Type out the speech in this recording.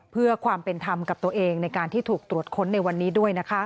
เพื่อความเป็นธรรมกับตัวเองในการที่ถูกตรวจค้นในวันนี้ด้วยนะคะ